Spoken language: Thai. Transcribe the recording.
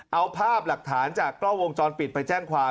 เอาภาพหลักฐานจากกล้องวงจรปิดไปแจ้งความ